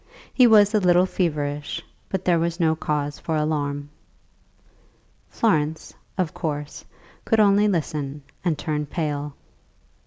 He was a little feverish, but there was no cause for alarm. Florence, of course, could only listen and turn pale.